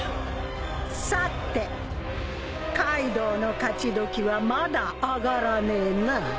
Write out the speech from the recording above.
さてカイドウの勝ちどきはまだあがらねえな。